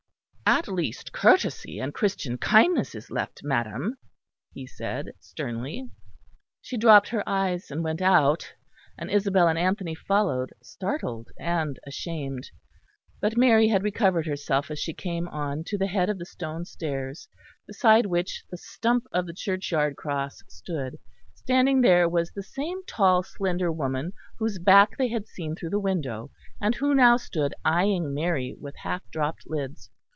"At least courtesy and Christian kindness is left, madam," he said sternly. She dropped her eyes and went out; and Isabel and Anthony followed, startled and ashamed. But Mary had recovered herself as she came on to the head of the stone stairs, beside which the stump of the churchyard cross stood; standing there was the same tall, slender woman whose back they had seen through the window, and who now stood eyeing Mary with half dropped lids.